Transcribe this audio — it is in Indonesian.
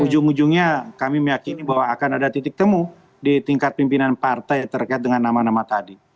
ujung ujungnya kami meyakini bahwa akan ada titik temu di tingkat pimpinan partai terkait dengan nama nama tadi